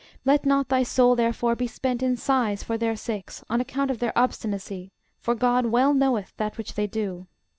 Let not thy soul therefore be spent in sighs for their sakes, on account of their obstinacy; for GOD well knoweth that which they do.